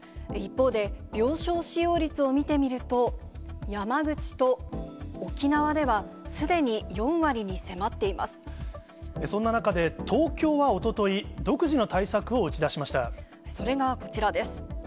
一方で、病床使用率を見てみると、山口と沖縄では、そんな中で、東京はおととい、それがこちらです。